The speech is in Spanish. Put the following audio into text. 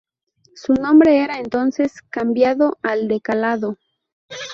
Su nombre era entonces cambiado al de "Calado".